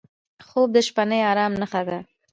خوب د شپهني ارام نښه ده